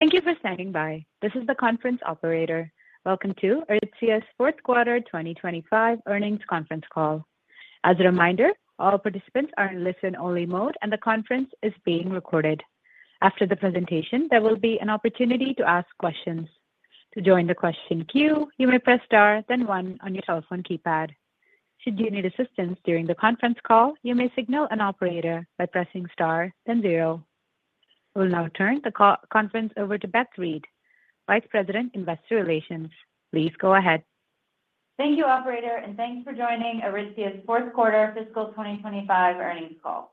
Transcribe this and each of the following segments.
Thank you for standing by. This is the conference operator. Welcome to Aritzia's Fourth Quarter 2025 Earnings Conference Call. As a reminder, all participants are in listen-only mode, and the conference is being recorded. After the presentation, there will be an opportunity to ask questions. To join the question queue, you may press star, then one on your telephone keypad. Should you need assistance during the conference call, you may signal an operator by pressing star, then zero. We'll now turn the conference over to Beth Reed, Vice President, Investor Relations. Please go ahead. Thank you, Operator, and thanks for joining Aritzia's Fourth Quarter Fiscal 2025 Earnings Call.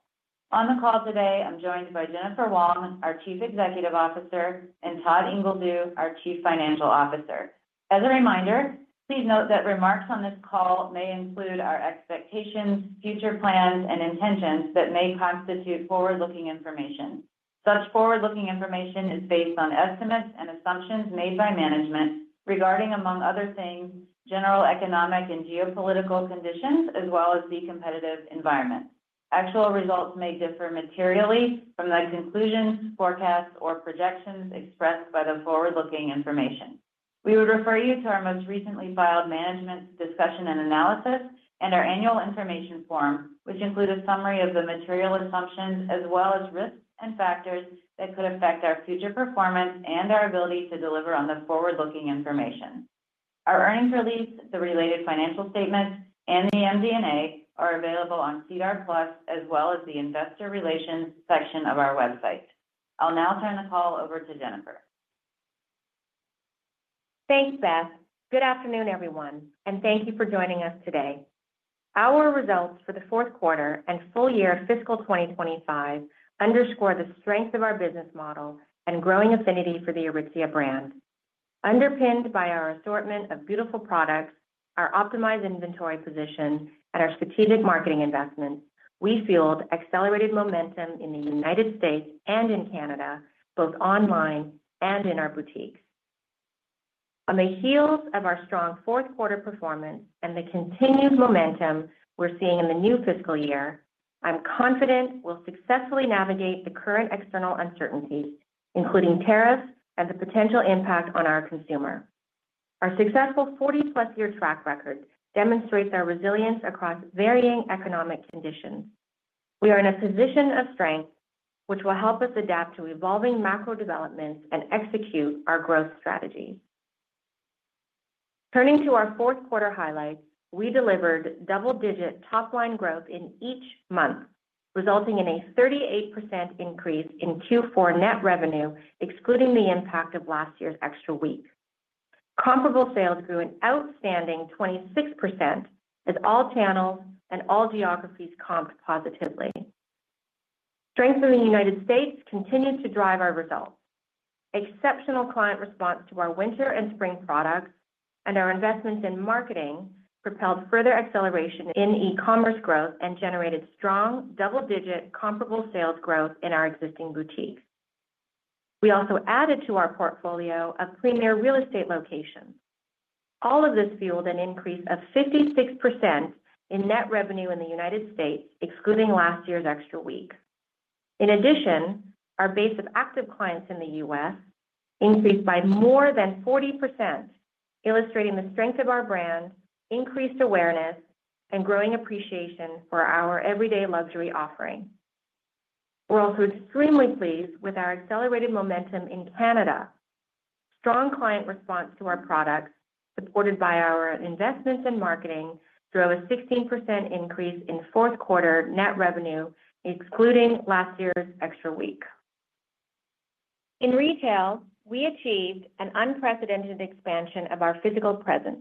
On the call today, I'm joined by Jennifer Wong, our Chief Executive Officer, and Todd Ingledew, our Chief Financial Officer. As a reminder, please note that remarks on this call may include our expectations, future plans, and intentions that may constitute forward-looking information. Such forward-looking information is based on estimates and assumptions made by management regarding, among other things, general economic and geopolitical conditions, as well as the competitive environment. Actual results may differ materially from the conclusions, forecasts, or projections expressed by the forward-looking information. We would refer you to our most recently filed management discussion and analysis and our annual information form, which includes a summary of the material assumptions, as well as risks and factors that could affect our future performance and our ability to deliver on the forward-looking information. Our earnings release, the related financial statements, and the MD&A are available on SEDAR+, as well as the Investor Relations section of our website. I'll now turn the call over to Jennifer. Thanks, Beth. Good afternoon, everyone, and thank you for joining us today. Our results for the fourth quarter and full year of fiscal 2025 underscore the strength of our business model and growing affinity for the Aritzia brand. Underpinned by our assortment of beautiful products, our optimized inventory position, and our strategic marketing investments, we fueled accelerated momentum in the United States and in Canada, both online and in our boutiques. On the heels of our strong fourth quarter performance and the continued momentum we're seeing in the new fiscal year, I'm confident we'll successfully navigate the current external uncertainties, including tariffs and the potential impact on our consumer. Our successful 40-plus year track record demonstrates our resilience across varying economic conditions. We are in a position of strength, which will help us adapt to evolving macro developments and execute our growth strategies. Turning to our fourth quarter highlights, we delivered double-digit top-line growth in each month, resulting in a 38% increase in Q4 net revenue, excluding the impact of last year's extra week. Comparable sales grew an outstanding 26% as all channels and all geographies comped positively. Strength from the United States continued to drive our results. Exceptional client response to our winter and spring products and our investments in marketing propelled further acceleration in e-commerce growth and generated strong double-digit comparable sales growth in our existing boutiques. We also added to our portfolio of premier real estate locations. All of this fueled an increase of 56% in net revenue in the United States, excluding last year's extra week. In addition, our base of active clients in the U.S. increased by more than 40%, illustrating the strength of our brand, increased awareness, and growing appreciation for our everyday luxury offering. We're also extremely pleased with our accelerated momentum in Canada. Strong client response to our products, supported by our investments in marketing, drove a 16% increase in fourth quarter net revenue, excluding last year's extra week. In retail, we achieved an unprecedented expansion of our physical presence,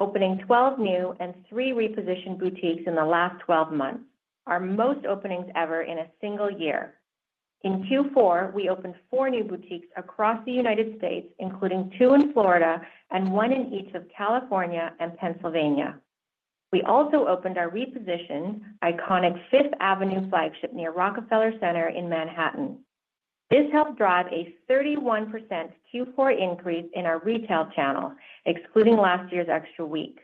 opening 12 new and 3 repositioned boutiques in the last 12 months, our most openings ever in a single year. In Q4, we opened 4 new boutiques across the United States, including 2 in Florida and 1 in each of California and Pennsylvania. We also opened our repositioned iconic Fifth Avenue flagship near Rockefeller Center in Manhattan. This helped drive a 31% Q4 increase in our retail channel, excluding last year's extra week.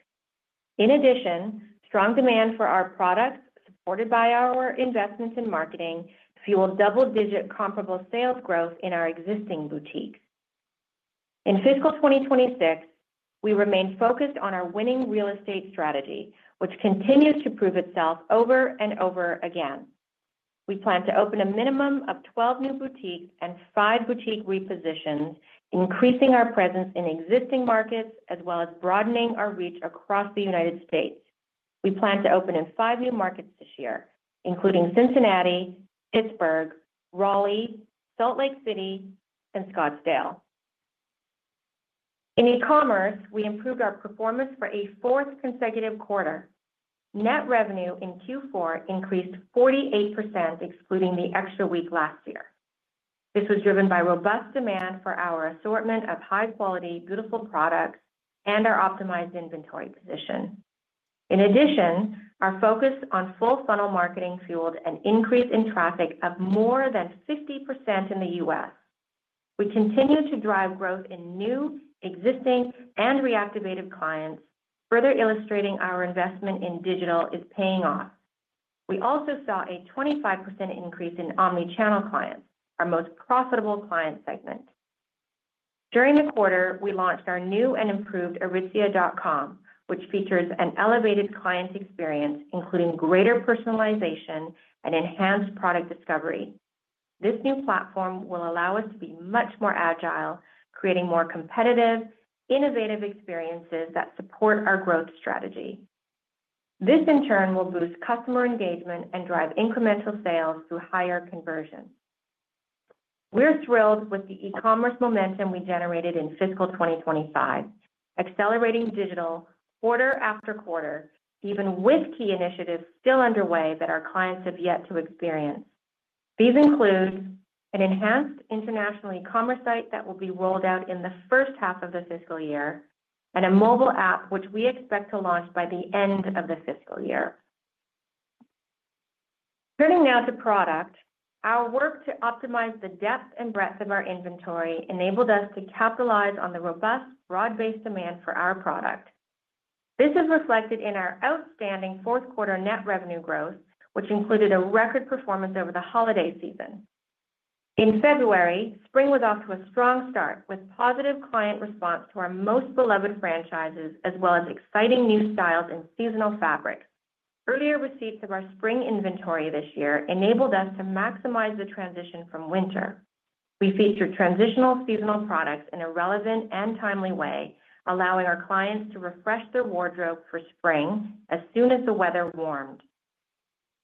In addition, strong demand for our products, supported by our investments in marketing, fueled double-digit comparable sales growth in our existing boutiques. In fiscal 2026, we remained focused on our winning real estate strategy, which continues to prove itself over and over again. We plan to open a minimum of 12 new boutiques and 5 boutique repositions, increasing our presence in existing markets as well as broadening our reach across the U.S. We plan to open in 5 new markets this year, including Cincinnati, Pittsburgh, Raleigh, Salt Lake City, and Scottsdale. In e-commerce, we improved our performance for a fourth consecutive quarter. Net revenue in Q4 increased 48%, excluding the extra week last year. This was driven by robust demand for our assortment of high-quality, beautiful products and our optimized inventory position. In addition, our focus on full-funnel marketing fueled an increase in traffic of more than 50% in the U.S. We continue to drive growth in new, existing, and reactivated clients, further illustrating our investment in digital is paying off. We also saw a 25% increase in omnichannel clients, our most profitable client segment. During the quarter, we launched our new and improved aritzia.com, which features an elevated client experience, including greater personalization and enhanced product discovery. This new platform will allow us to be much more agile, creating more competitive, innovative experiences that support our growth strategy. This, in turn, will boost customer engagement and drive incremental sales through higher conversions. We're thrilled with the e-commerce momentum we generated in fiscal 2025, accelerating digital quarter after quarter, even with key initiatives still underway that our clients have yet to experience. These include an enhanced international e-commerce site that will be rolled out in the first half of the fiscal year and a mobile app, which we expect to launch by the end of the fiscal year. Turning now to product, our work to optimize the depth and breadth of our inventory enabled us to capitalize on the robust broad-based demand for our product. This is reflected in our outstanding fourth quarter net revenue growth, which included a record performance over the holiday season. In February, spring was off to a strong start with positive client response to our most beloved franchises, as well as exciting new styles and seasonal fabrics. Earlier receipts of our spring inventory this year enabled us to maximize the transition from winter. We featured transitional seasonal products in a relevant and timely way, allowing our clients to refresh their wardrobe for spring as soon as the weather warmed.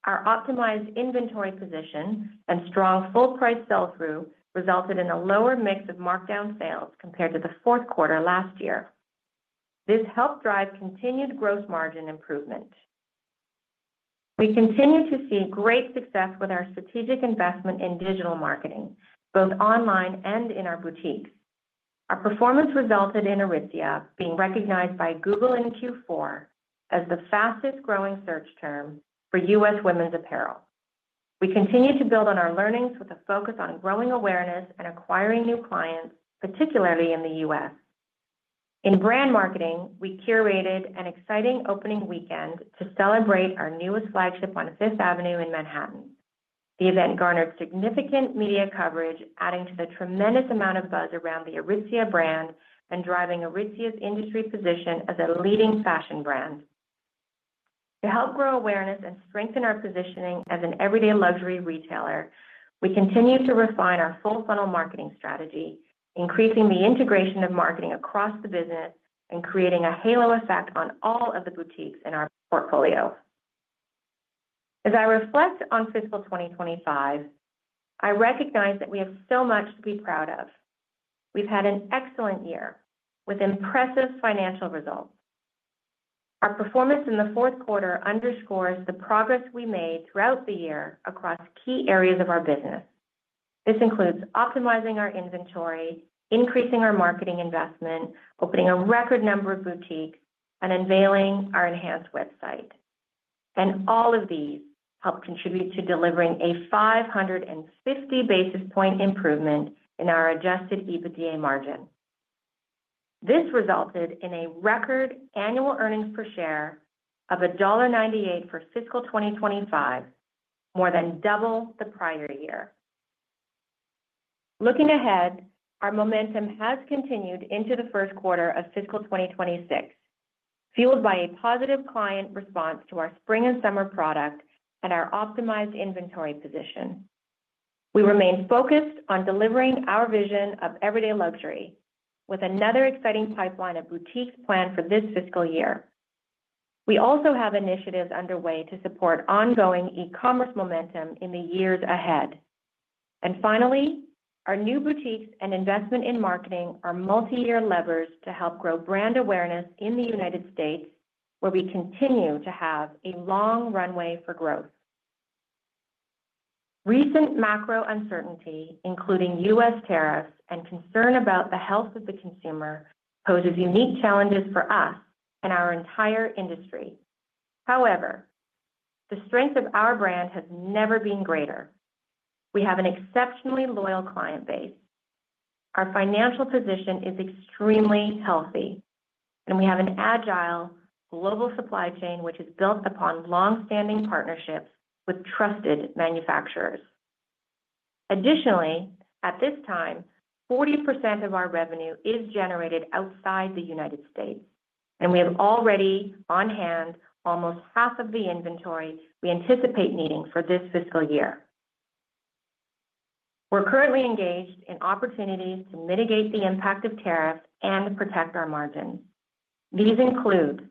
Our optimized inventory position and strong full-price sell-through resulted in a lower mix of markdown sales compared to the fourth quarter last year. This helped drive continued gross margin improvement. We continue to see great success with our strategic investment in digital marketing, both online and in our boutiques. Our performance resulted in Aritzia being recognized by Google in Q4 as the fastest-growing search term for U.S. women's apparel. We continue to build on our learnings with a focus on growing awareness and acquiring new clients, particularly in the U.S. In brand marketing, we curated an exciting opening weekend to celebrate our newest flagship on Fifth Avenue in Manhattan. The event garnered significant media coverage, adding to the tremendous amount of buzz around the Aritzia brand and driving Aritzia's industry position as a leading fashion brand. To help grow awareness and strengthen our positioning as an everyday luxury retailer, we continue to refine our full-funnel marketing strategy, increasing the integration of marketing across the business and creating a halo effect on all of the boutiques in our portfolio. As I reflect on fiscal 2025, I recognize that we have so much to be proud of. We've had an excellent year with impressive financial results. Our performance in the fourth quarter underscores the progress we made throughout the year across key areas of our business. This includes optimizing our inventory, increasing our marketing investment, opening a record number of boutiques, and unveiling our enhanced website. All of these helped contribute to delivering a 550 basis point improvement in our adjusted EBITDA margin. This resulted in a record annual earnings per share of $1.98 for fiscal 2025, more than double the prior year. Looking ahead, our momentum has continued into the first quarter of fiscal 2026, fueled by a positive client response to our spring and summer product and our optimized inventory position. We remain focused on delivering our vision of everyday luxury, with another exciting pipeline of boutiques planned for this fiscal year. We also have initiatives underway to support ongoing e-commerce momentum in the years ahead. Finally, our new boutiques and investment in marketing are multi-year levers to help grow brand awareness in the U.S., where we continue to have a long runway for growth. Recent macro uncertainty, including U.S. tariffs and concern about the health of the consumer, poses unique challenges for us and our entire industry. However, the strength of our brand has never been greater. We have an exceptionally loyal client base. Our financial position is extremely healthy, and we have an agile global supply chain, which is built upon long-standing partnerships with trusted manufacturers. Additionally, at this time, 40% of our revenue is generated outside the U.S., and we have already on hand almost half of the inventory we anticipate needing for this fiscal year. We are currently engaged in opportunities to mitigate the impact of tariffs and protect our margins. These include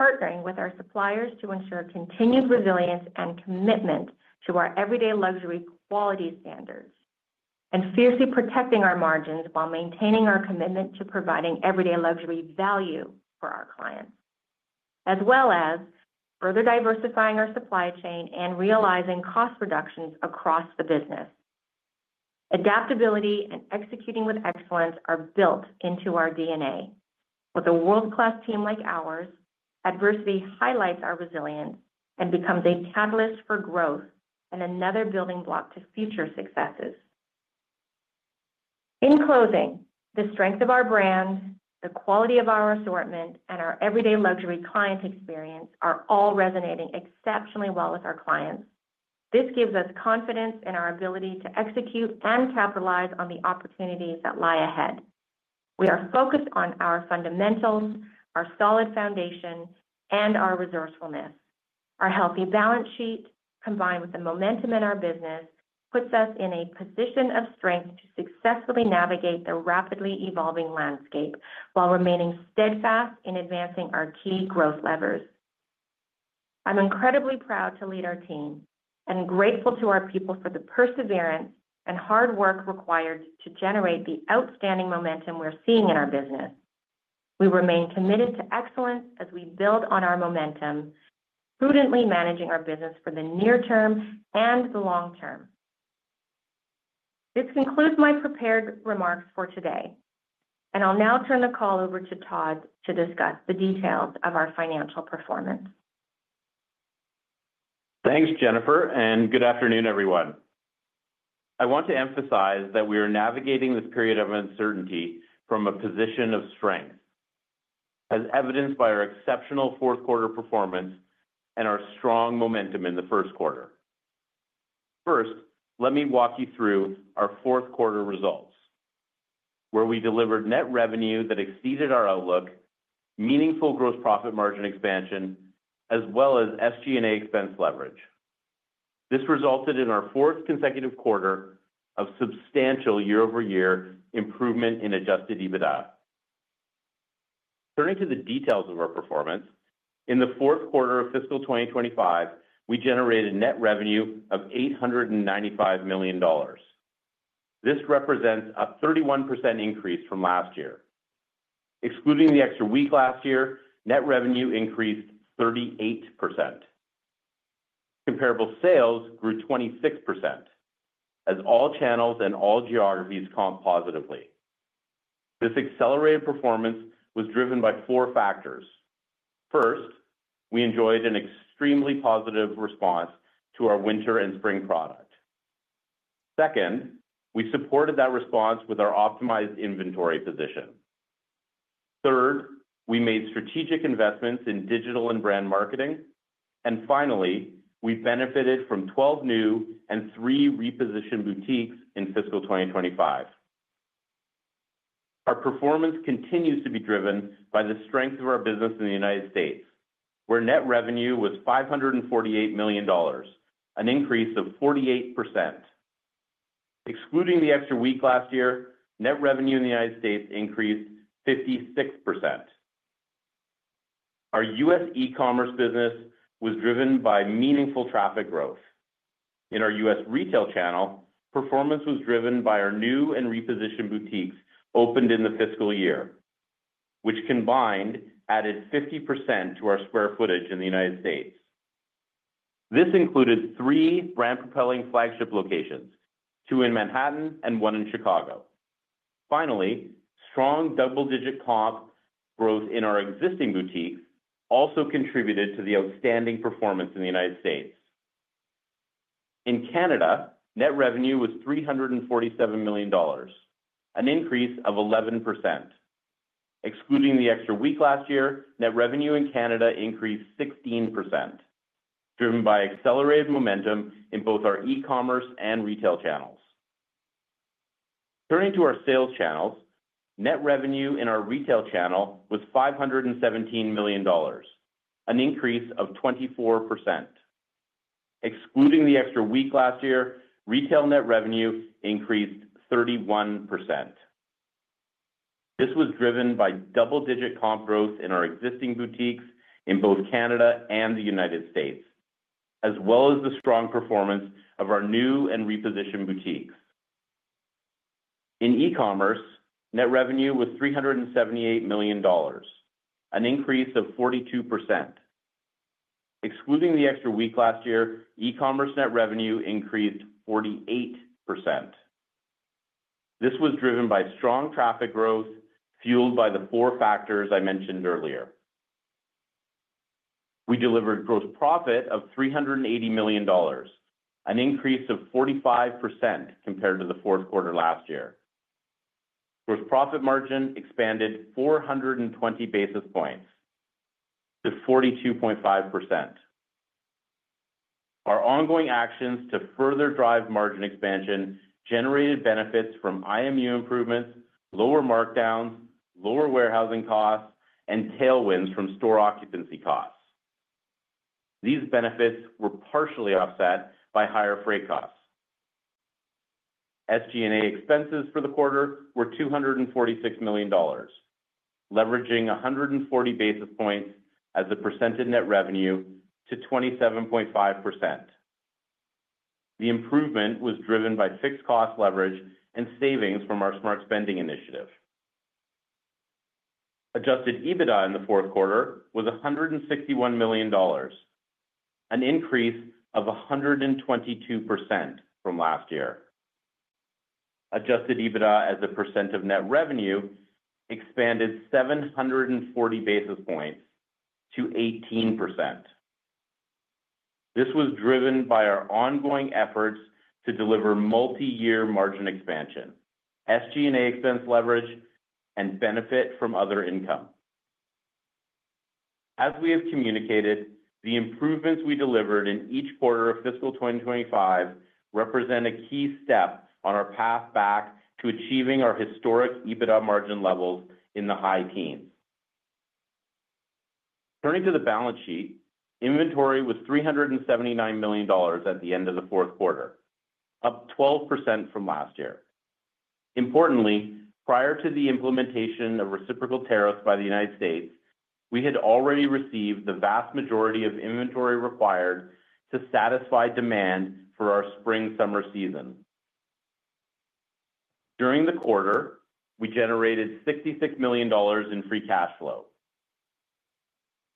partnering with our suppliers to ensure continued resilience and commitment to our everyday luxury quality standards, and fiercely protecting our margins while maintaining our commitment to providing everyday luxury value for our clients, as well as further diversifying our supply chain and realizing cost reductions across the business. Adaptability and executing with excellence are built into our DNA. With a world-class team like ours, adversity highlights our resilience and becomes a catalyst for growth and another building block to future successes. In closing, the strength of our brand, the quality of our assortment, and our everyday luxury client experience are all resonating exceptionally well with our clients. This gives us confidence in our ability to execute and capitalize on the opportunities that lie ahead. We are focused on our fundamentals, our solid foundation, and our resourcefulness. Our healthy balance sheet, combined with the momentum in our business, puts us in a position of strength to successfully navigate the rapidly evolving landscape while remaining steadfast in advancing our key growth levers. I'm incredibly proud to lead our team and grateful to our people for the perseverance and hard work required to generate the outstanding momentum we're seeing in our business. We remain committed to excellence as we build on our momentum, prudently managing our business for the near term and the long term. This concludes my prepared remarks for today, and I'll now turn the call over to Todd to discuss the details of our financial performance. Thanks, Jennifer, and good afternoon, everyone. I want to emphasize that we are navigating this period of uncertainty from a position of strength, as evidenced by our exceptional fourth-quarter performance and our strong momentum in the first quarter. First, let me walk you through our fourth-quarter results, where we delivered net revenue that exceeded our outlook, meaningful gross profit margin expansion, as well as SG&A expense leverage. This resulted in our fourth consecutive quarter of substantial year-over-year improvement in adjusted EBITDA. Turning to the details of our performance, in the fourth quarter of fiscal 2025, we generated net revenue of CAD $895 million. This represents a 31% increase from last year. Excluding the extra week last year, net revenue increased 38%. Comparable sales grew 26%, as all channels and all geographies comp positively. This accelerated performance was driven by four factors. First, we enjoyed an extremely positive response to our winter and spring product. Second, we supported that response with our optimized inventory position. Third, we made strategic investments in digital and brand marketing. Finally, we benefited from 12 new and 3 repositioned boutiques in fiscal 2025. Our performance continues to be driven by the strength of our business in the U.S., where net revenue was $548 million, an increase of 48%. Excluding the extra week last year, net revenue in the U.S. increased 56%. Our U.S. e-commerce business was driven by meaningful traffic growth. In our U.S. retail channel, performance was driven by our new and repositioned boutiques opened in the fiscal year, which combined added 50% to our square footage in the U.S. This included three brand-propelling flagship locations, two in Manhattan and one in Chicago. Finally, strong double-digit comp growth in our existing boutiques also contributed to the outstanding performance in the United States. In Canada, net revenue was CAD $347 million, an increase of 11%. Excluding the extra week last year, net revenue in Canada increased 16%, driven by accelerated momentum in both our e-commerce and retail channels. Turning to our sales channels, net revenue in our retail channel was CAD $517 million, an increase of 24%. Excluding the extra week last year, retail net revenue increased 31%. This was driven by double-digit comp growth in our existing boutiques in both Canada and the United States, as well as the strong performance of our new and repositioned boutiques. In e-commerce, net revenue was CAD $378 million, an increase of 42%. Excluding the extra week last year, e-commerce net revenue increased 48%.This was driven by strong traffic growth fueled by the four factors I mentioned earlier. We delivered gross profit of CAD $380 million, an increase of 45% compared to the fourth quarter last year. Gross profit margin expanded 420 basis points to 42.5%. Our ongoing actions to further drive margin expansion generated benefits from IMU improvements, lower markdowns, lower warehousing costs, and tailwinds from store occupancy costs. These benefits were partially offset by higher freight costs. SG&A expenses for the quarter were CAD $246 million, leveraging 140 basis points as the percent of net revenue to 27.5%. The improvement was driven by fixed cost leverage and savings from our smart spending initiative. Adjusted EBITDA in the fourth quarter was CAD $161 million, an increase of 122% from last year. Adjusted EBITDA as a percent of net revenue expanded 740 basis points to 18%. This was driven by our ongoing efforts to deliver multi-year margin expansion, SG&A expense leverage, and benefit from other income. As we have communicated, the improvements we delivered in each quarter of fiscal 2025 represent a key step on our path back to achieving our historic EBITDA margin levels in the high teens. Turning to the balance sheet, inventory was CAD $379 million at the end of the fourth quarter, up 12% from last year. Importantly, prior to the implementation of reciprocal tariffs by the U.S., we had already received the vast majority of inventory required to satisfy demand for our spring/summer season. During the quarter, we generated CAD $66 million in free cash flow.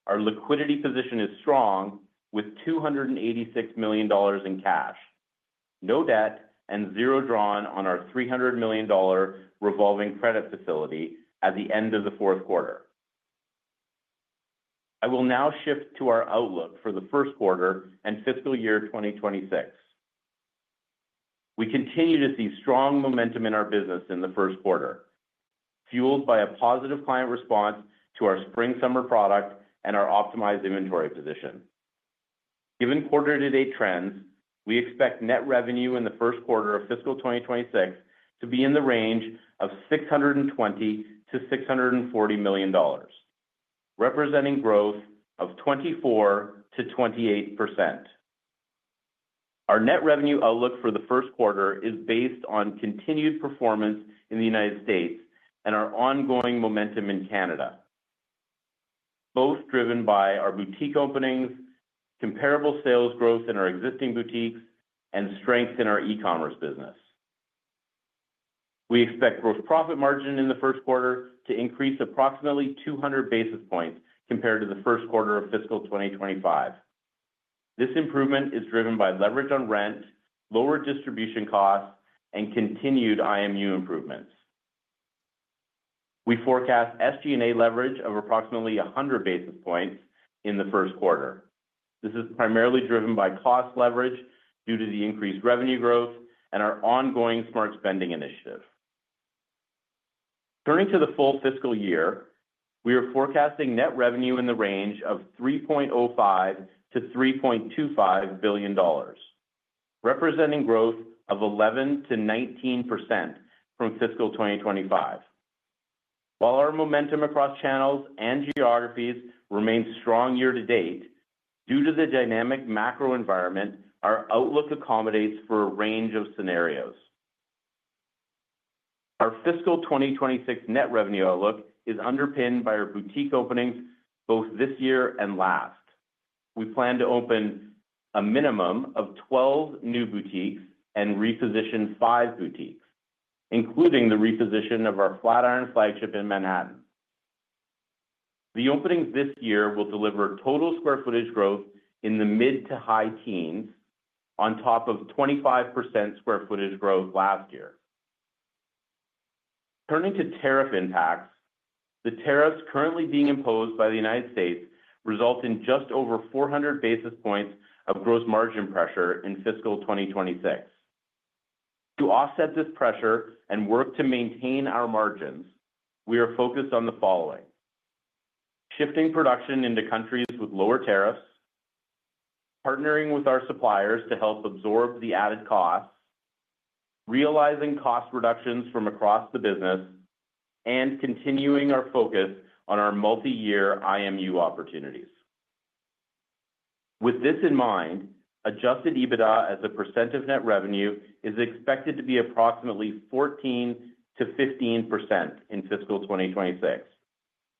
Our liquidity position is strong with CAD $286 million in cash, no debt, and zero drawn on our CAD $300 million revolving credit facility at the end of the fourth quarter. I will now shift to our outlook for the first quarter and fiscal year 2026. We continue to see strong momentum in our business in the first quarter, fueled by a positive client response to our spring/summer product and our optimized inventory position. Given quarter-to-date trends, we expect net revenue in the first quarter of fiscal 2026 to be in the range of CAD $620 million-CAD $640 million, representing growth of 24%-28%. Our net revenue outlook for the first quarter is based on continued performance in the U.S. and our ongoing momentum in Canada, both driven by our boutique openings, comparable sales growth in our existing boutiques, and strength in our e-commerce business. We expect gross profit margin in the first quarter to increase approximately 200 basis points compared to the first quarter of fiscal 2025. This improvement is driven by leverage on rent, lower distribution costs, and continued IMU improvements. We forecast SG&A leverage of approximately 100 basis points in the first quarter. This is primarily driven by cost leverage due to the increased revenue growth and our ongoing smart spending initiative. Turning to the full fiscal year, we are forecasting net revenue in the range of CAD $3.05 billion-CAD $3.25 billion, representing growth of 11%-19% from fiscal 2025. While our momentum across channels and geographies remains strong year-to-date, due to the dynamic macro environment, our outlook accommodates for a range of scenarios. Our fiscal 2026 net revenue outlook is underpinned by our boutique openings both this year and last. We plan to open a minimum of 12 new boutiques and reposition five boutiques, including the reposition of our Flatiron Flagship in Manhattan. The openings this year will deliver total square footage growth in the mid to high teens on top of 25% square footage growth last year. Turning to tariff impacts, the tariffs currently being imposed by the U.S. result in just over 400 basis points of gross margin pressure in fiscal 2026. To offset this pressure and work to maintain our margins, we are focused on the following: shifting production into countries with lower tariffs, partnering with our suppliers to help absorb the added costs, realizing cost reductions from across the business, and continuing our focus on our multi-year IMU opportunities. With this in mind, adjusted EBITDA as a percent of net revenue is expected to be approximately 14%-15% in fiscal 2026,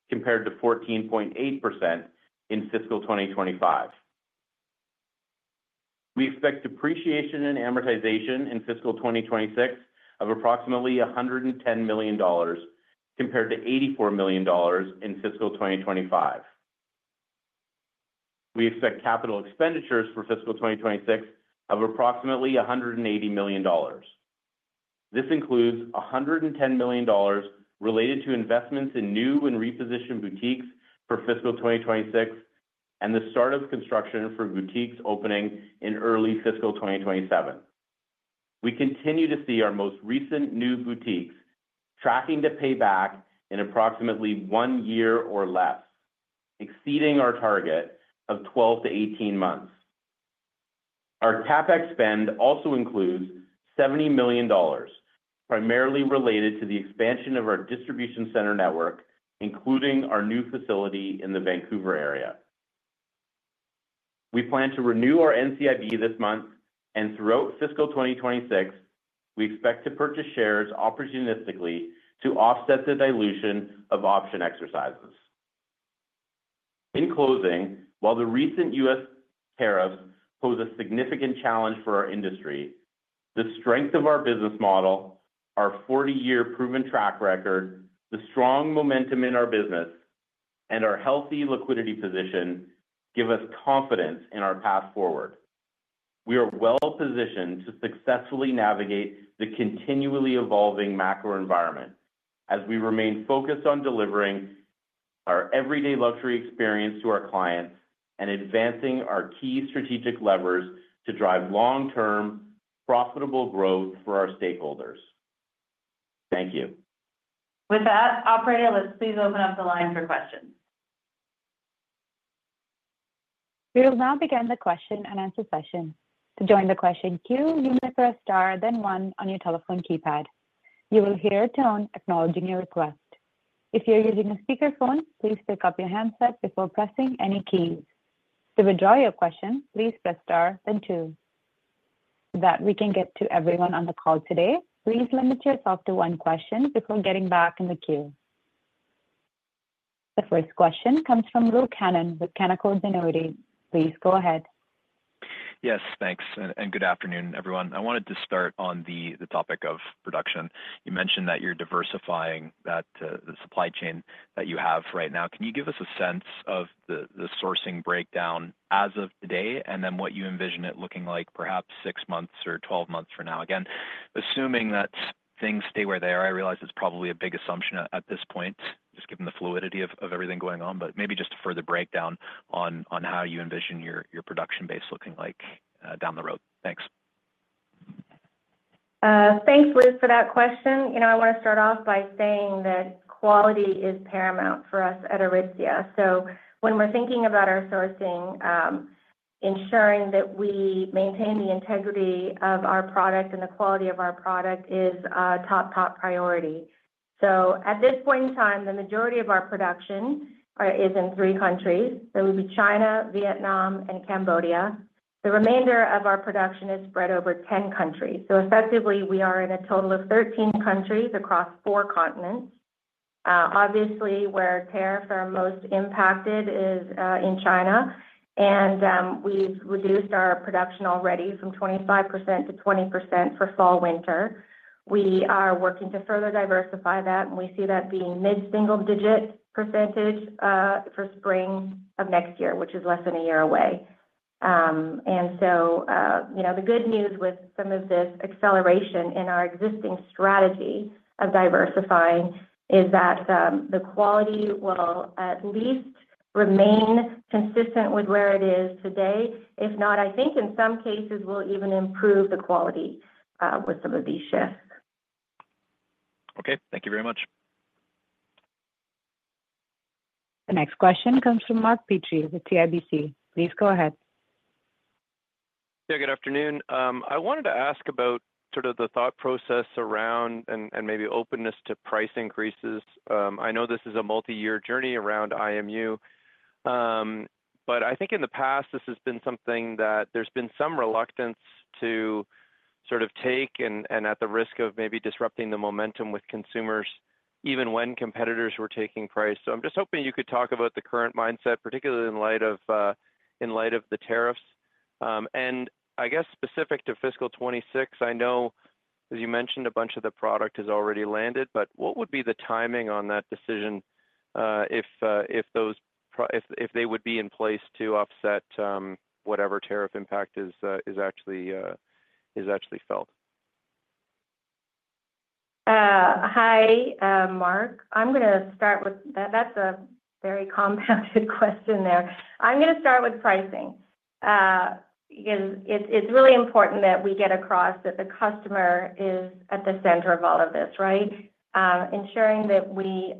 compared to 14.8% in fiscal 2025. We expect depreciation and amortization in fiscal 2026 of approximately CAD $110 million, compared to CAD $84 million in fiscal 2025. We expect capital expenditures for fiscal 2026 of approximately CAD $180 million. This includes CAD $110 million related to investments in new and repositioned boutiques for fiscal 2026 and the start of construction for boutiques opening in early fiscal 2027. We continue to see our most recent new boutiques tracking to pay back in approximately one year or less, exceeding our target of 12-18 months. Our CapEx spend also includes CAD $70 million, primarily related to the expansion of our distribution center network, including our new facility in the Vancouver area. We plan to renew our NCIB this month, and throughout fiscal 2026, we expect to purchase shares opportunistically to offset the dilution of option exercises. In closing, while the recent U.S.Tariffs pose a significant challenge for our industry, the strength of our business model, our 40-year proven track record, the strong momentum in our business, and our healthy liquidity position give us confidence in our path forward. We are well-positioned to successfully navigate the continually evolving macro environment as we remain focused on delivering our everyday luxury experience to our clients and advancing our key strategic levers to drive long-term profitable growth for our stakeholders. Thank you. With that, operator, let's please open up the line for questions. We will now begin the question and answer session. To join the question queue, you may press Star, then one on your telephone keypad. You will hear a tone acknowledging your request. If you're using a speakerphone, please pick up your handset before pressing any keys. To withdraw your question, please press Star, then two. That we can get to everyone on the call today, please limit yourself to one question before getting back in the queue. The first question comes from Luke Hannan with Canaccord Genuity. Please go ahead. Yes, thanks. And good afternoon, everyone. I wanted to start on the topic of production. You mentioned that you're diversifying the supply chain that you have right now. Can you give us a sense of the sourcing breakdown as of today and then what you envision it looking like perhaps six months or 12 months from now? Again, assuming that things stay where they are, I realize it's probably a big assumption at this point, just given the fluidity of everything going on, but maybe just a further breakdown on how you envision your production base looking like down the road. Thanks. Thanks, Luke, for that question. I want to start off by saying that quality is paramount for us at Aritzia. When we're thinking about our sourcing, ensuring that we maintain the integrity of our product and the quality of our product is a top, top priority. At this point in time, the majority of our production is in three countries. There will be China, Vietnam, and Cambodia. The remainder of our production is spread over 10 countries. Effectively, we are in a total of 13 countries across four continents. Obviously, where tariffs are most impacted is in China. We've reduced our production already from 25% to 20% for fall/winter. We are working to further diversify that, and we see that being mid-single-digit percentage for spring of next year, which is less than a year away. The good news with some of this acceleration in our existing strategy of diversifying is that the quality will at least remain consistent with where it is today. If not, I think in some cases, we'll even improve the quality with some of these shifts. Okay. Thank you very much. The next question comes from Mark Petrie of CIBC. Please go ahead. Yeah, good afternoon. I wanted to ask about sort of the thought process around and maybe openness to price increases. I know this is a multi-year journey around IMU, but I think in the past, this has been something that there's been some reluctance to sort of take and at the risk of maybe disrupting the momentum with consumers even when competitors were taking price. I'm just hoping you could talk about the current mindset, particularly in light of the tariffs. I guess specific to fiscal 2026, I know, as you mentioned, a bunch of the product has already landed, but what would be the timing on that decision if they would be in place to offset whatever tariff impact is actually felt? Hi, Mark. I'm going to start with that. That's a very compounded question there. I'm going to start with pricing because it's really important that we get across that the customer is at the center of all of this, right? Ensuring that we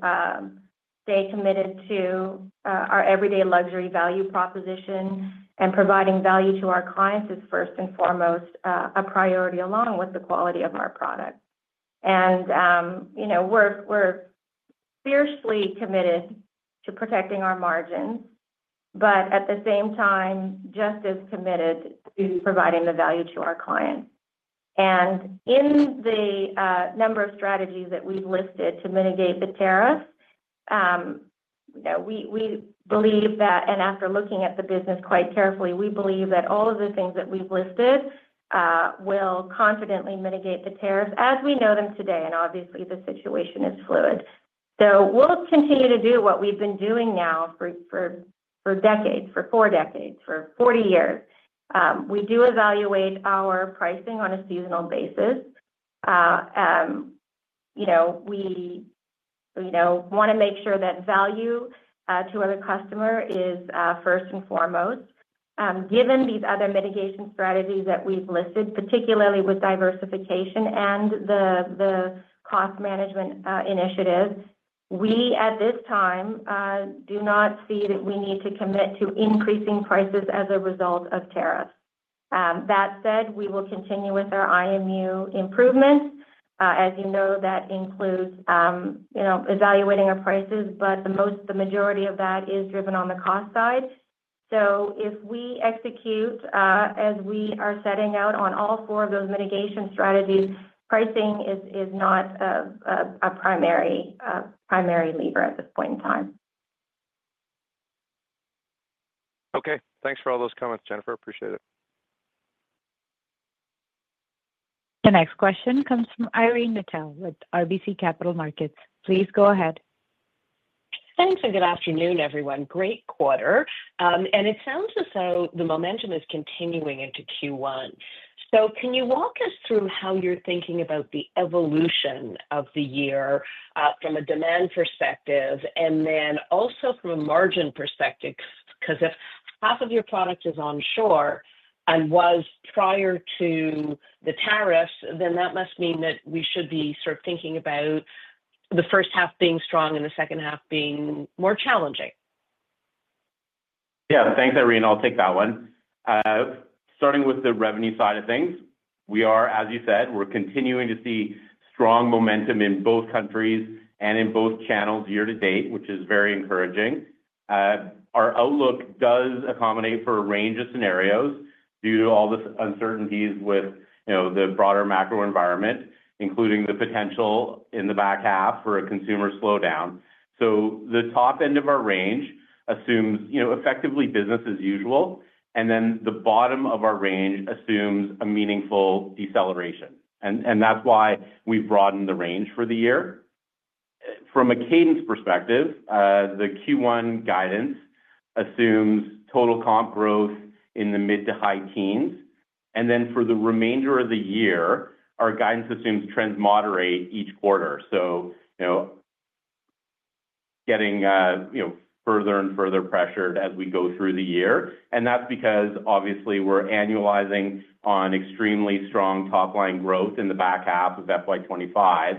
stay committed to our everyday luxury value proposition and providing value to our clients is first and foremost a priority along with the quality of our product. We're fiercely committed to protecting our margins, but at the same time, just as committed to providing the value to our clients. In the number of strategies that we've listed to mitigate the tariffs, we believe that, after looking at the business quite carefully, we believe that all of the things that we've listed will confidently mitigate the tariffs as we know them today. Obviously, the situation is fluid. We will continue to do what we've been doing now for decades, for four decades, for 40 years. We do evaluate our pricing on a seasonal basis. We want to make sure that value to our customer is first and foremost. Given these other mitigation strategies that we've listed, particularly with diversification and the cost management initiative, we at this time do not see that we need to commit to increasing prices as a result of tariffs. That said, we will continue with our IMU improvements. As you know, that includes evaluating our prices, but the majority of that is driven on the cost side. If we execute as we are setting out on all four of those mitigation strategies, pricing is not a primary lever at this point in time. Okay. Thanks for all those comments, Jennifer. Appreciate it. The next question comes from Irene Nattel with RBC Capital Markets. Please go ahead. Thanks. Good afternoon, everyone. Great quarter. It sounds as though the momentum is continuing into Q1. Can you walk us through how you're thinking about the evolution of the year from a demand perspective and then also from a margin perspective? Because if half of your product is onshore and was prior to the tariffs, then that must mean that we should be sort of thinking about the first half being strong and the second half being more challenging. Yeah. Thanks, Irene. I'll take that one. Starting with the revenue side of things, we are, as you said, we're continuing to see strong momentum in both countries and in both channels year to date, which is very encouraging. Our outlook does accommodate for a range of scenarios due to all this uncertainty with the broader macro environment, including the potential in the back half for a consumer slowdown. The top end of our range assumes effectively business as usual, and the bottom of our range assumes a meaningful deceleration. That is why we've broadened the range for the year. From a Cadence perspective, the Q1 guidance assumes total comp growth in the mid to high teens. For the remainder of the year, our guidance assumes trends moderate each quarter, getting further and further pressured as we go through the year. That is because, obviously, we are annualizing on extremely strong top-line growth in the back half of fiscal 2025,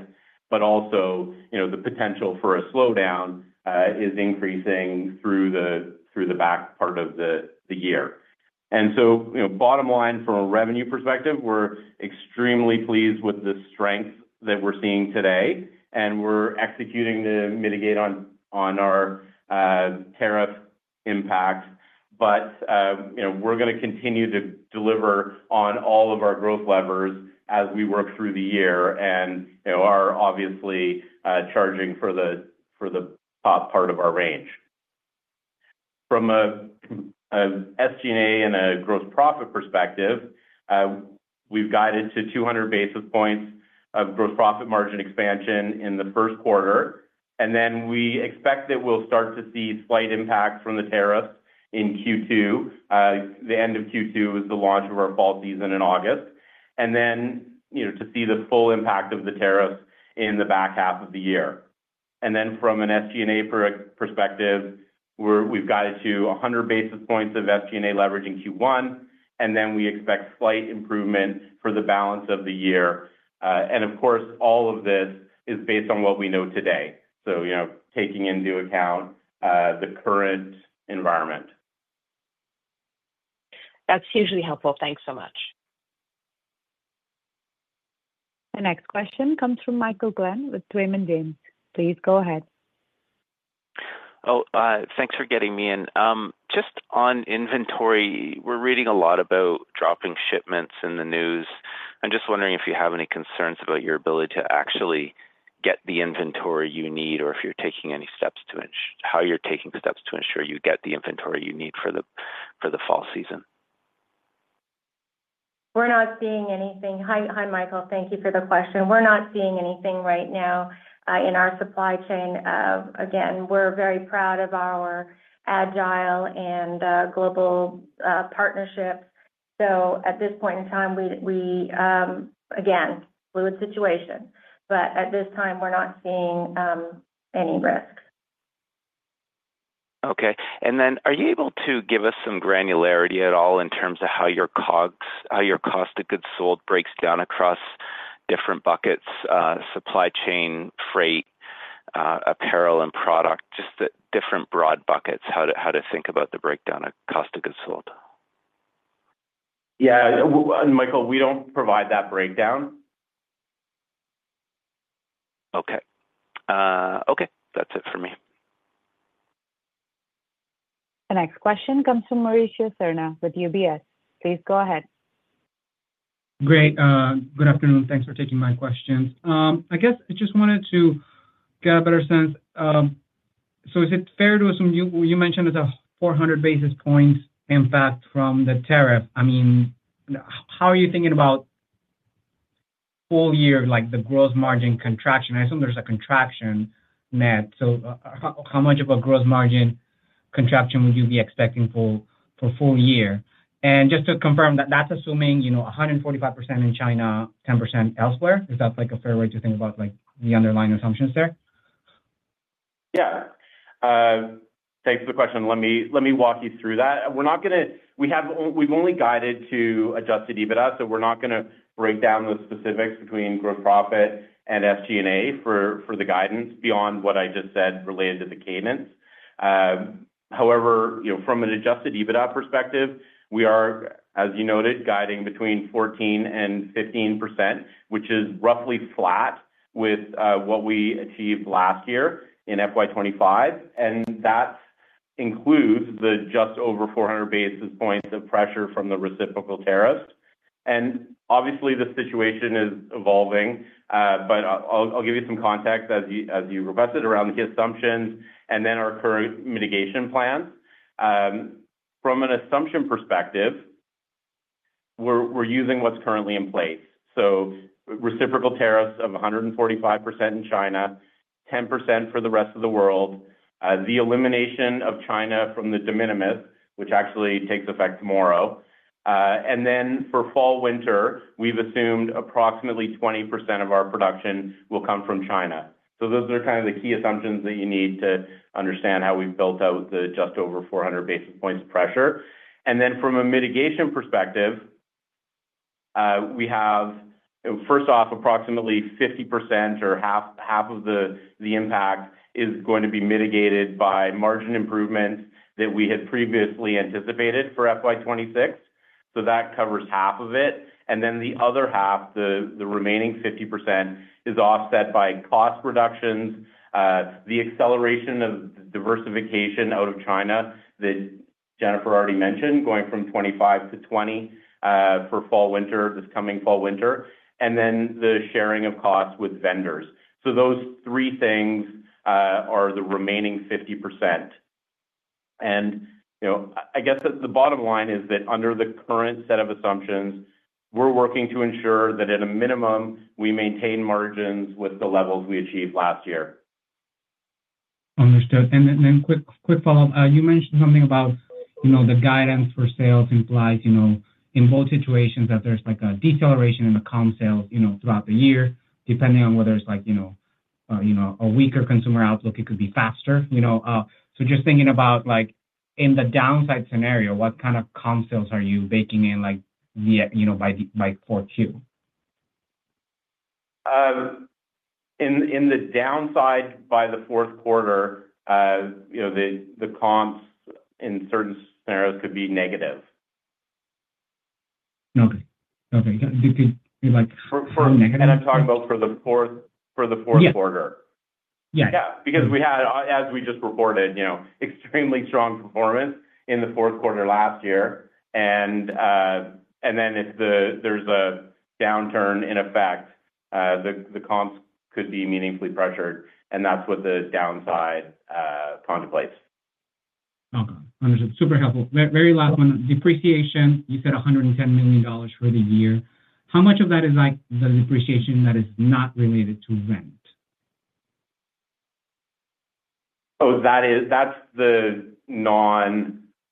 but also the potential for a slowdown is increasing through the back part of the year. Bottom line, from a revenue perspective, we are extremely pleased with the strength that we are seeing today, and we are executing to mitigate on our tariff impact. We are going to continue to deliver on all of our growth levers as we work through the year and are obviously charging for the top part of our range. From an SG&A and a gross profit perspective, we've guided to 200 basis points of gross profit margin expansion in the first quarter. We expect that we'll start to see slight impact from the tariffs in Q2. The end of Q2 is the launch of our fall season in August, and then to see the full impact of the tariffs in the back half of the year. From an SG&A perspective, we've guided to 100 basis points of SG&A leverage in Q1, and we expect slight improvement for the balance of the year. Of course, all of this is based on what we know today, so taking into account the current environment. That's hugely helpful. Thanks so much. The next question comes from Michael Glen with Raymond James. Please go ahead. Oh, thanks for getting me in. Just on inventory, we're reading a lot about dropping shipments in the news. I'm just wondering if you have any concerns about your ability to actually get the inventory you need or if you're taking any steps to ensure how you're taking steps to ensure you get the inventory you need for the fall season. We're not seeing anything. Hi, Michael. Thank you for the question. We're not seeing anything right now in our supply chain. Again, we're very proud of our agile and global partnerships. At this point in time, we again, fluid situation. At this time, we're not seeing any risks. Okay. Are you able to give us some granularity at all in terms of how your cost of goods sold breaks down across different buckets: supply chain, freight, apparel, and product? Just different broad buckets, how to think about the breakdown of cost of goods sold. Yeah. Michael, we do not provide that breakdown. Okay. Okay. That is it for me. The next question comes from Mauricio Serna with UBS. Please go ahead. Great. Good afternoon. Thanks for taking my questions. I guess I just wanted to get a better sense. Is it fair to assume you mentioned it is a 400 basis points impact from the tariff? I mean, how are you thinking about full year, like the gross margin contraction? I assume there is a contraction net. How much of a gross margin contraction would you be expecting for full year? Just to confirm that, that is assuming 145% in China, 10% elsewhere. Is that a fair way to think about the underlying assumptions there? Yeah. Thanks for the question. Let me walk you through that. We're not going to we've only guided to adjusted EBITDA, so we're not going to break down the specifics between gross profit and SG&A for the guidance beyond what I just said related to the Cadence. However, from an adjusted EBITDA perspective, we are, as you noted, guiding between 14-15%, which is roughly flat with what we achieved last year in FY2025. That includes the just over 400 basis points of pressure from the reciprocal tariffs. Obviously, the situation is evolving, but I'll give you some context as you requested around the assumptions and then our current mitigation plans. From an assumption perspective, we're using what's currently in place. Reciprocal tariffs of 145% in China, 10% for the rest of the world, the elimination of China from the de minimis, which actually takes effect tomorrow. For fall/winter, we've assumed approximately 20% of our production will come from China. Those are kind of the key assumptions that you need to understand how we've built out the just over 400 basis points pressure. From a mitigation perspective, we have, first off, approximately 50% or half of the impact is going to be mitigated by margin improvements that we had previously anticipated for FY2026. That covers half of it. The other half, the remaining 50%, is offset by cost reductions, the acceleration of diversification out of China that Jennifer already mentioned, going from 25% to 20% for fall/winter, this coming fall/winter, and then the sharing of costs with vendors. Those three things are the remaining 50%. I guess the bottom line is that under the current set of assumptions, we're working to ensure that at a minimum, we maintain margins with the levels we achieved last year. Understood. Quick follow-up. You mentioned something about the guidance for sales implies in both situations that there's a deceleration in the comp sales throughout the year, depending on whether it's a weaker consumer outlook, it could be faster. Just thinking about in the downside scenario, what kind of comp sales are you baking in by Q4? In the downside by the fourth quarter, the comps in certain scenarios could be negative. Okay. For negative? I'm talking about for the fourth quarter. Yeah. Because we had, as we just reported, extremely strong performance in the fourth quarter last year. If there's a downturn in effect, the comps could be meaningfully pressured, and that's what the downside contemplates. Okay. Understood. Super helpful. Very last one. Depreciation, you said $110 million for the year. How much of that is the depreciation that is not related to rent? Oh, that's the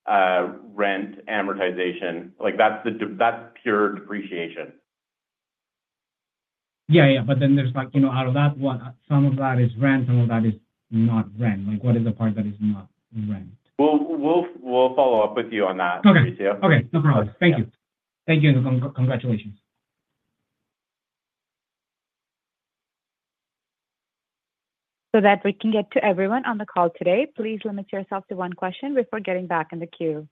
non-rent amortization. That's pure depreciation. Yeah. Yeah. But then there's out of that, some of that is rent, some of that is not rent. What is the part that is not rent? We'll follow up with you on that, Mauricio. Okay. No problem. Thank you. Thank you. So that we can get to everyone on the call today, please limit yourself to one question before getting back in the queue.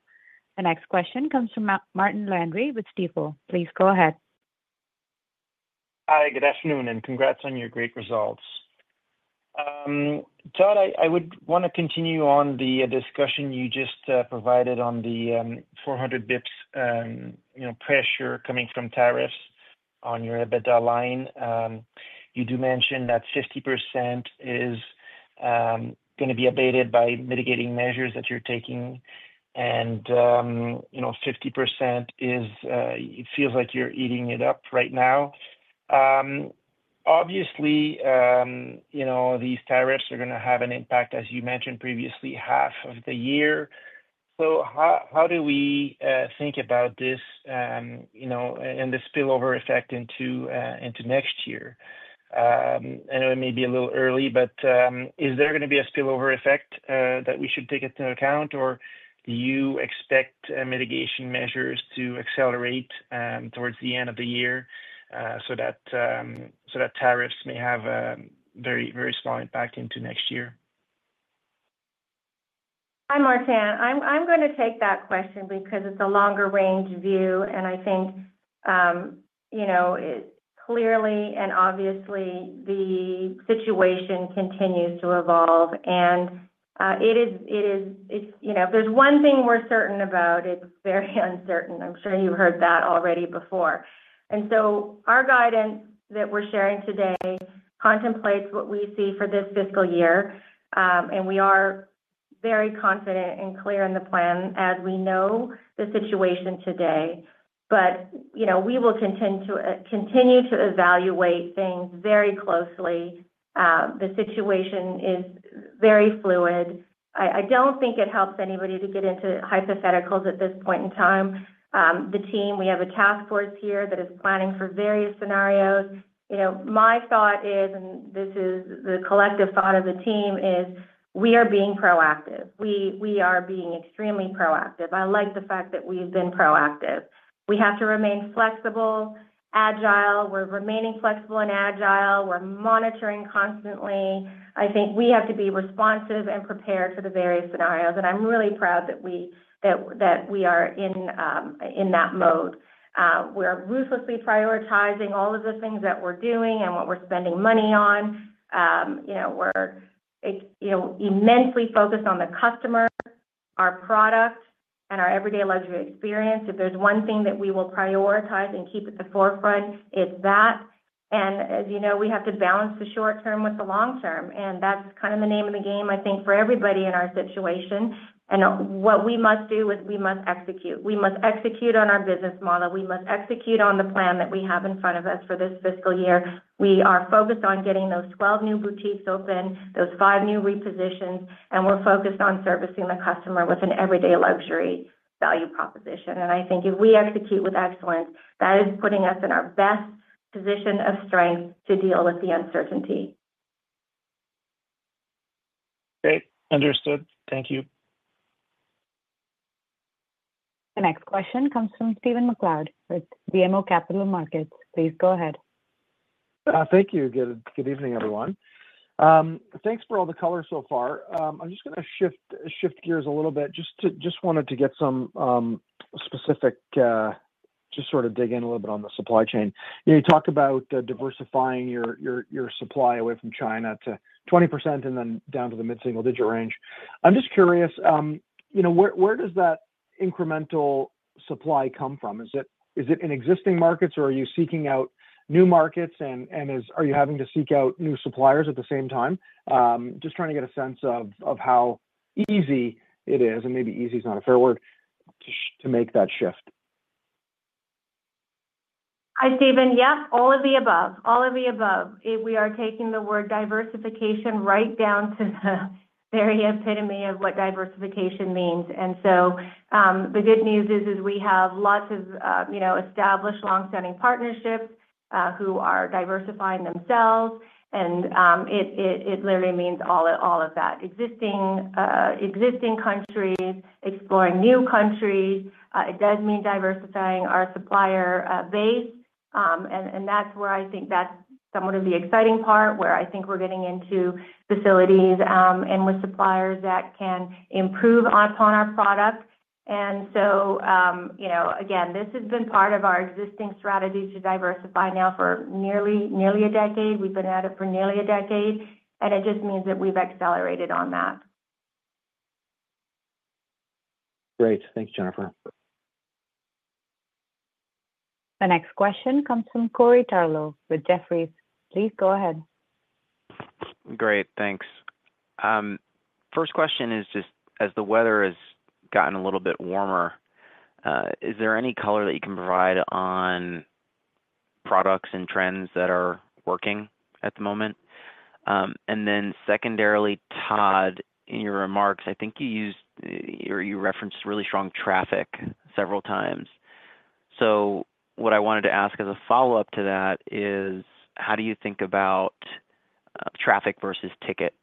The next question comes from Martin Landry with Stifel. Please go ahead. Hi. Good afternoon, and congrats on your great results. Todd, I would want to continue on the discussion you just provided on the 400 basis points pressure coming from tariffs on your EBITDA line. You do mention that 50% is going to be abated by mitigating measures that you're taking, and 50% feels like you're eating it up right now. Obviously, these tariffs are going to have an impact, as you mentioned previously, half of the year. How do we think about this and the spillover effect into next year? I know it may be a little early, but is there going to be a spillover effect that we should take into account, or do you expect mitigation measures to accelerate towards the end of the year so that tariffs may have a very small impact into next year? Hi, Martin. I'm going to take that question because it's a longer-range view, and I think clearly and obviously, the situation continues to evolve. If there's one thing we're certain about, it's very uncertain. I'm sure you've heard that already before. Our guidance that we're sharing today contemplates what we see for this fiscal year, and we are very confident and clear in the plan as we know the situation today. We will continue to evaluate things very closely. The situation is very fluid. I don't think it helps anybody to get into hypotheticals at this point in time. The team, we have a task force here that is planning for various scenarios. My thought is, and this is the collective thought of the team, we are being proactive. We are being extremely proactive. I like the fact that we've been proactive. We have to remain flexible, agile. We're remaining flexible and agile. We're monitoring constantly. I think we have to be responsive and prepared for the various scenarios, and I'm really proud that we are in that mode. We're ruthlessly prioritizing all of the things that we're doing and what we're spending money on. We're immensely focused on the customer, our product, and our everyday luxury experience. If there's one thing that we will prioritize and keep at the forefront, it's that. As you know, we have to balance the short term with the long term. That's kind of the name of the game, I think, for everybody in our situation. What we must do is we must execute. We must execute on our business model. We must execute on the plan that we have in front of us for this fiscal year. We are focused on getting those 12 new boutiques open, those five new repositions, and we are focused on servicing the customer with an everyday luxury value proposition. I think if we execute with excellence, that is putting us in our best position of strength to deal with the uncertainty. Okay. Understood. Thank you. The next question comes from Stephen McLeod with BMO Capital Markets. Please go ahead. Thank you. Good evening, everyone. Thanks for all the color so far. I am just going to shift gears a little bit. Just wanted to get some specific, just sort of dig in a little bit on the supply chain. You talked about diversifying your supply away from China to 20% and then down to the mid-single-digit range. I am just curious, where does that incremental supply come from? Is it in existing markets, or are you seeking out new markets, and are you having to seek out new suppliers at the same time? Just trying to get a sense of how easy it is, and maybe easy is not a fair word, to make that shift. Hi, Stephen. Yep. All of the above. All of the above. We are taking the word diversification right down to the very epitome of what diversification means. The good news is we have lots of established long-standing partnerships who are diversifying themselves, and it literally means all of that: existing countries, exploring new countries. It does mean diversifying our supplier base, and that's where I think that's somewhat of the exciting part, where I think we're getting into facilities and with suppliers that can improve upon our product. This has been part of our existing strategy to diversify now for nearly a decade. We've been at it for nearly a decade, and it just means that we've accelerated on that. Great. Thanks, Jennifer. The next question comes from Corey Tarlowe with Jefferies. Please go ahead. Great. Thanks. First question is just, as the weather has gotten a little bit warmer, is there any color that you can provide on products and trends that are working at the moment? And then secondarily, Todd, in your remarks, I think you used or you referenced really strong traffic several times. What I wanted to ask as a follow-up to that is, how do you think about traffic versus ticket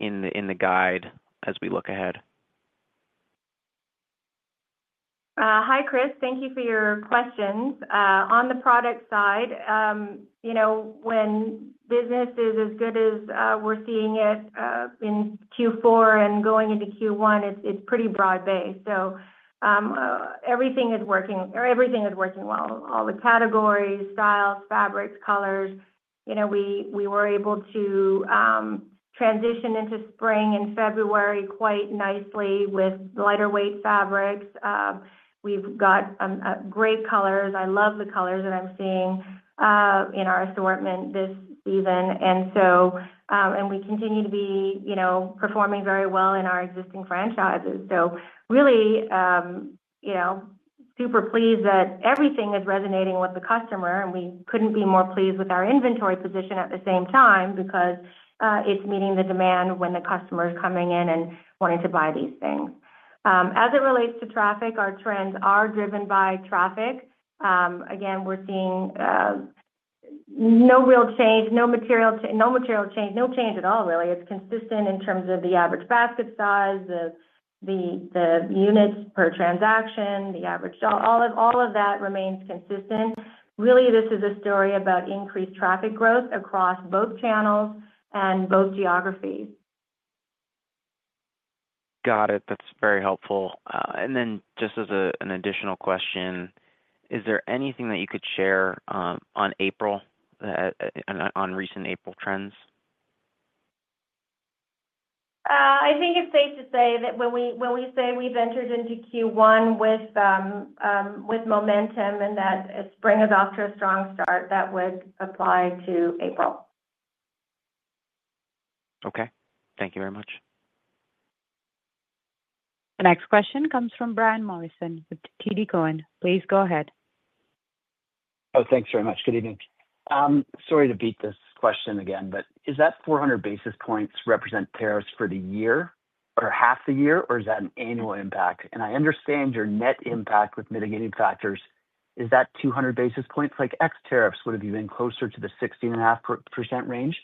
in the guide as we look ahead? Hi, Chris. Thank you for your questions. On the product side, when business is as good as we're seeing it in Q4 and going into Q1, it's pretty broad-based. Everything is working well. All the categories, styles, fabrics, colors. We were able to transition into spring in February quite nicely with lighter-weight fabrics. We've got great colors. I love the colors that I'm seeing in our assortment this season. We continue to be performing very well in our existing franchises. Really super pleased that everything is resonating with the customer, and we couldn't be more pleased with our inventory position at the same time because it's meeting the demand when the customer is coming in and wanting to buy these things. As it relates to traffic, our trends are driven by traffic. Again, we're seeing no real change, no material change, no change at all, really. It's consistent in terms of the average basket size, the units per transaction, the average, all of that remains consistent. Really, this is a story about increased traffic growth across both channels and both geographies. Got it. That's very helpful. Just as an additional question, is there anything that you could share on April, on recent April trends? I think it's safe to say that when we say we've entered into Q1 with momentum and that spring is off to a strong start, that would apply to April. Okay. Thank you very much. The next question comes from Brian Morrison with TD Cowen. Please go ahead. Thanks very much. Good evening. Sorry to beat this question again, but is that 400 basis points represent tariffs for the year or half the year, or is that an annual impact? I understand your net impact with mitigating factors. Is that 200 basis points? Like ex tariffs, would have you been closer to the 16.5% range?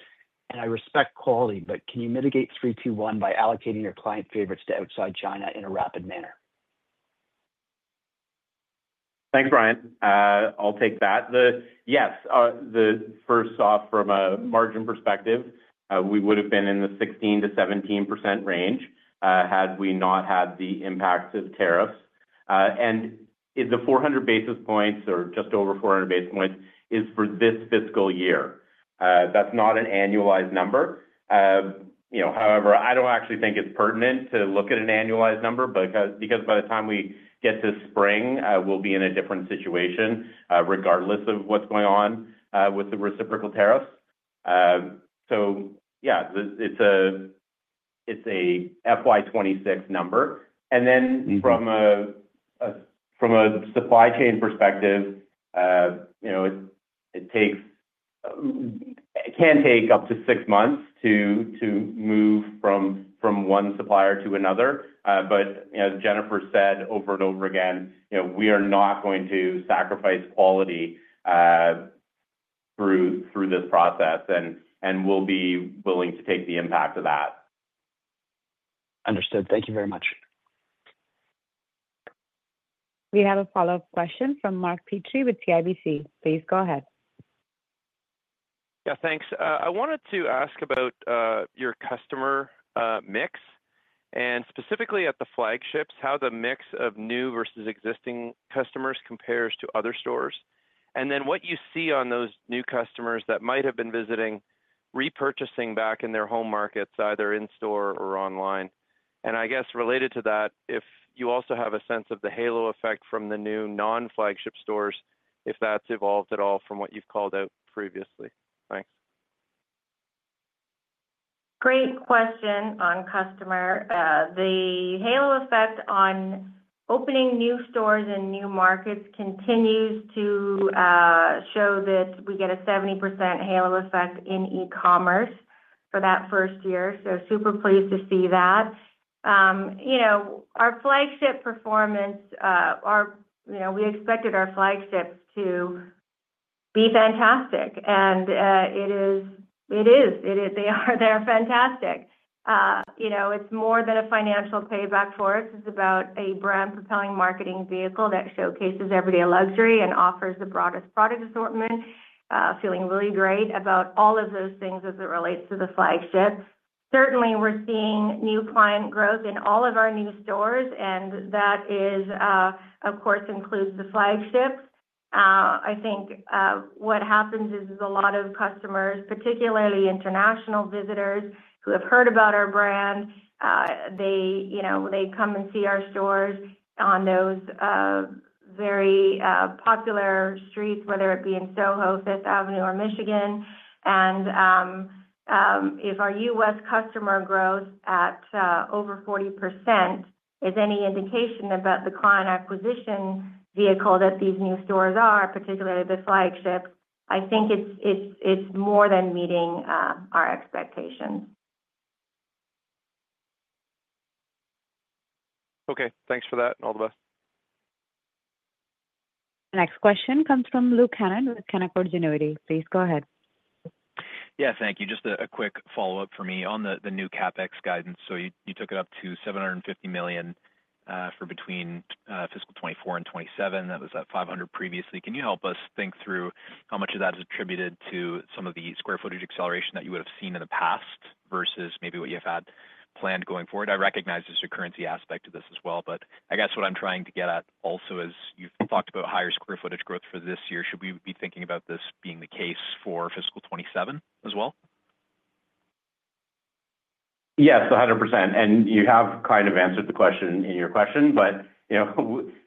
And I respect quality, but can you mitigate 321 by allocating your client favorites to outside China in a rapid manner? Thanks, Brian. I'll take that. Yes. First off, from a margin perspective, we would have been in the 16-17% range had we not had the impact of tariffs. And the 400 basis points or just over 400 basis points is for this fiscal year. That's not an annualized number. However, I don't actually think it's pertinent to look at an annualized number because by the time we get to spring, we'll be in a different situation regardless of what's going on with the reciprocal tariffs. Yeah, it's a FY2026 number. From a supply chain perspective, it can take up to six months to move from one supplier to another. As Jennifer said over and over again, we are not going to sacrifice quality through this process, and we'll be willing to take the impact of that. Understood. Thank you very much. We have a follow-up question from Mark Petrie with CIBC. Please go ahead. Yeah. Thanks. I wanted to ask about your customer mix and specifically at the flagships, how the mix of new versus existing customers compares to other stores, and what you see on those new customers that might have been visiting, repurchasing back in their home markets, either in-store or online. I guess related to that, if you also have a sense of the halo effect from the new non-flagship stores, if that's evolved at all from what you've called out previously. Thanks. Great question on customer. The halo effect on opening new stores in new markets continues to show that we get a 70% halo effect in e-commerce for that first year. Super pleased to see that. Our flagship performance, we expected our flagships to be fantastic, and it is. It is. They are fantastic. It is more than a financial payback for us. It is about a brand-propelling marketing vehicle that showcases everyday luxury and offers the broadest product assortment, feeling really great about all of those things as it relates to the flagship. Certainly, we are seeing new client growth in all of our new stores, and that, of course, includes the flagships. I think what happens is a lot of customers, particularly international visitors who have heard about our brand, they come and see our stores on those very popular streets, whether it be in Soho, Fifth Avenue, or Michigan. If our U.S. customer growth at over 40% is any indication about the client acquisition vehicle that these new stores are, particularly the flagships, I think it's more than meeting our expectations. Okay. Thanks for that. All the best. The next question comes from Luke Hannan with Canaccord Genuity. Please go ahead. Yeah. Thank you. Just a quick follow-up for me on the new CapEx guidance. You took it up to CAD $750 million for between fiscal 2024 and 2027. That was at CAD $500 million previously. Can you help us think through how much of that is attributed to some of the square footage acceleration that you would have seen in the past versus maybe what you have had planned going forward? I recognize there's a currency aspect to this as well, but I guess what I'm trying to get at also is you've talked about higher square footage growth for this year. Should we be thinking about this being the case for fiscal 2027 as well? Yes, 100%. You have kind of answered the question in your question, but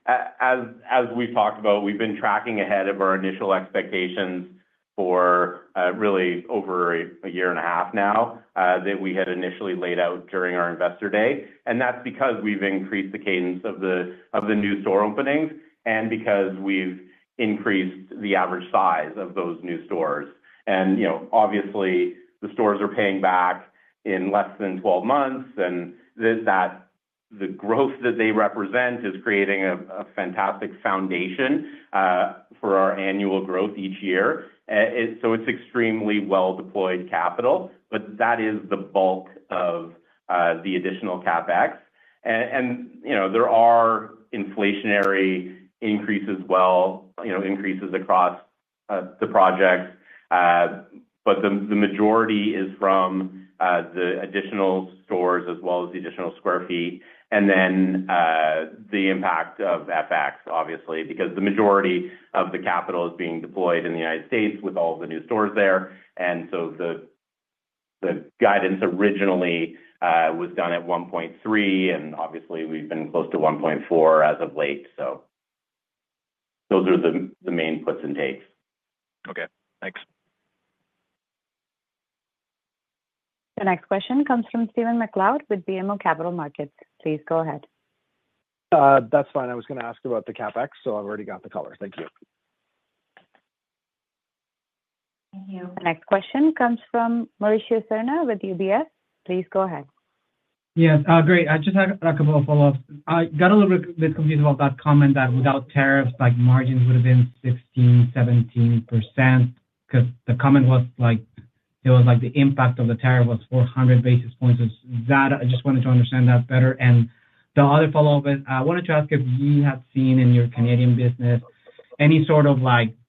as we've talked about, we've been tracking ahead of our initial expectations for really over a year and a half now that we had initially laid out during our investor day. That's because we've increased the Cadence of the new store openings and because we've increased the average size of those new stores. Obviously, the stores are paying back in less than 12 months, and the growth that they represent is creating a fantastic foundation for our annual growth each year. It is extremely well-deployed capital, but that is the bulk of the additional CapEx. There are inflationary increases as well, increases across the projects, but the majority is from the additional stores as well as the additional square feet and then the impact of FX, obviously, because the majority of the capital is being deployed in the United States with all of the new stores there. The guidance originally was done at 1.3, and obviously, we have been close to 1.4 as of late. Those are the main puts and takes. Okay. Thanks. The next question comes from Stephen McLeod with BMO Capital Markets. Please go ahead. That's fine. I was going to ask about the CapEx, so I have already got the colors. Thank you. Thank you. The next question comes from Mauricio Serna with UBS. Please go ahead. Yes. Great. I just had a couple of follow-ups. I got a little bit confused about that comment that without tariffs, margins would have been 16-17% because the comment was it was like the impact of the tariff was 400 basis points. I just wanted to understand that better. The other follow-up is I wanted to ask if you had seen in your Canadian business any sort of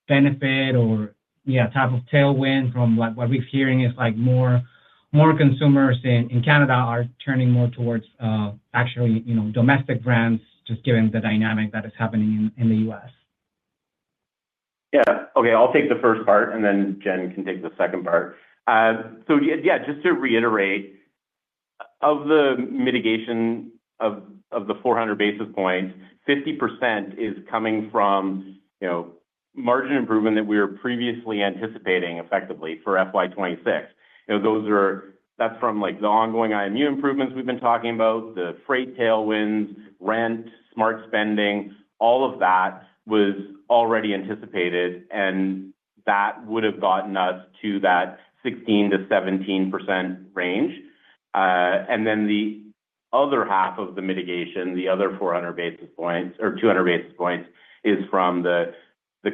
benefit or type of tailwind from what we're hearing is more consumers in Canada are turning more towards actually domestic brands, just given the dynamic that is happening in the U.S. Yeah. Okay. I'll take the first part, and then Jen can take the second part. Just to reiterate, of the mitigation of the 400 basis points, 50% is coming from margin improvement that we were previously anticipating effectively for FY2026. That's from the ongoing IMU improvements we've been talking about, the freight tailwinds, rent, smart spending. All of that was already anticipated, and that would have gotten us to that 16%-17% range. The other half of the mitigation, the other 400 basis points or 200 basis points, is from the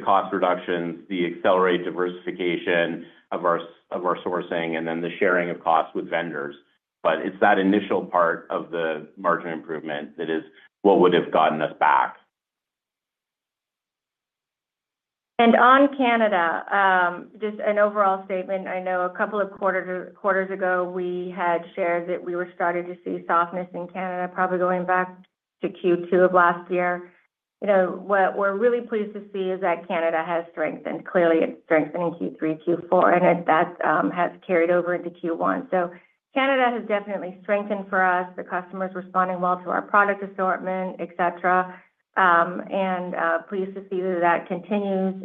cost reductions, the accelerated diversification of our sourcing, and the sharing of costs with vendors. It is that initial part of the margin improvement that is what would have gotten us back. On Canada, just an overall statement, I know a couple of quarters ago, we had shared that we were starting to see softness in Canada, probably going back to Q2 of last year. What we're really pleased to see is that Canada has strengthened. Clearly, it is strengthening Q3, Q4, and that has carried over into Q1. Canada has definitely strengthened for us. The customer is responding well to our product assortment, etc. Pleased to see that that continues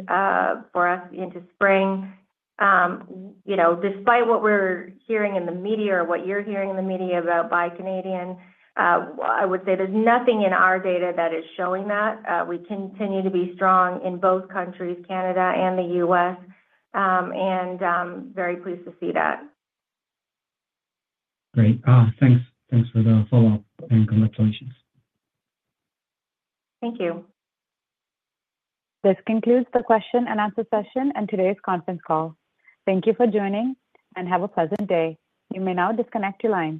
for us into spring. Despite what we are hearing in the media or what you are hearing in the media about Buy Canadian, I would say there is nothing in our data that is showing that. We continue to be strong in both countries, Canada and the U.S., and very pleased to see that. Great. Thanks for the follow-up and congratulations. Thank you. This concludes the question and answer session and today's conference call. Thank you for joining, and have a pleasant day. You may now disconnect your line.